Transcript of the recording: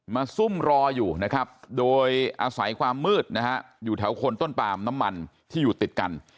ซุ่มรออยู่นะครับโดยอาศัยความมืดนะฮะอยู่แถวคนต้นปามน้ำมันที่อยู่ติดกัน